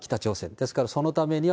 ですからそのためには、